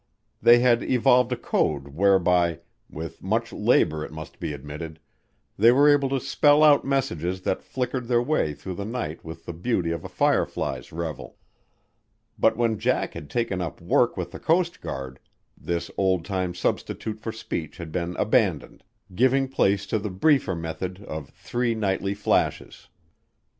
They had evolved a code whereby, with much labor it must be admitted, they were able to spell out messages that flickered their way through the night with the beauty of a firefly's revel; but when Jack had taken up work with the coast guard, this old time substitute for speech had been abandoned, giving place to the briefer method of three nightly flashes.